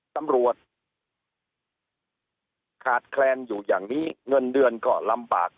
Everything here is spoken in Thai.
ตำรวจขาดแคลนอยู่อย่างนี้เงินเดือนก็ลำบาก